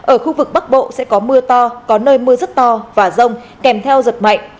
ở khu vực bắc bộ sẽ có mưa to có nơi mưa rất to và rông kèm theo giật mạnh